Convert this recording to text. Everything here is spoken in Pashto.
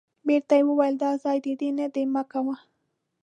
بیرته یې وویل دا ځای د دې نه دی مه کوه.